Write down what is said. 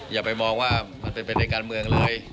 อย่าไปมองว่ามันเป็นไปในการเมืองเลย